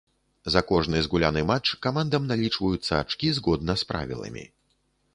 За кожны згуляны матч камандам налічваюцца ачкі згодна з правіламі.